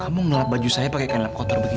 kamu ngelap baju saya pakai kain lap kotor begini